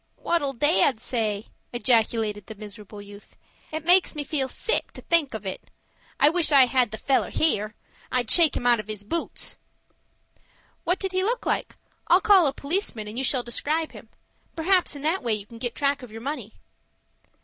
"What'll dad say?" ejaculated the miserable youth. "It makes me feel sick to think of it. I wish I had the feller here. I'd shake him out of his boots." "What did he look like? I'll call a policeman and you shall describe him. Perhaps in that way you can get track of your money."